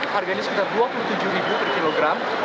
harganya sekitar rp dua puluh tujuh per kilogram